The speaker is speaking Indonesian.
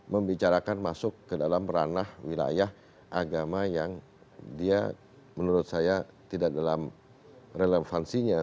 membicarakan masuk ke dalam ranah wilayah agama yang dia menurut saya tidak dalam relevansinya